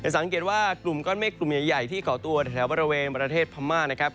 สังเกตว่ากลุ่มก้อนเมฆกลุ่มใหญ่ที่ก่อตัวแถวบริเวณประเทศพม่านะครับ